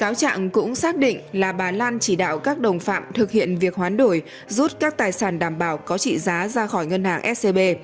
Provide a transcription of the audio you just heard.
cáo trạng cũng xác định là bà lan chỉ đạo các đồng phạm thực hiện việc hoán đổi rút các tài sản đảm bảo có trị giá ra khỏi ngân hàng scb